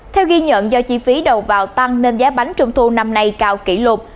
theo ghi nhận do chi phí đầu vào tăng nên giá bánh trung thu năm nay cao kỷ lục